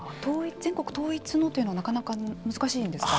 全国統一のというのはなかなか難しいんですか。